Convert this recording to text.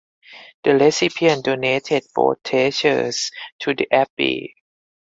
The recipient donated both treasures to the abbey.